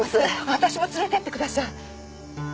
私も連れてってください！